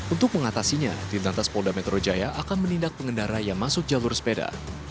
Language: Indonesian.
untuk mengatasinya di lantas polda metro jaya akan menindak pengendara yang masuk jalur sepeda